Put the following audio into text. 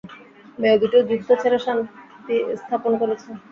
মেয়ে দুটো যুদ্ধ ছেড়ে শান্তি স্থাপন করেছে।